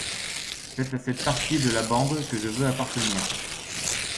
C'est à cette partie de la bande que je veux appartenir.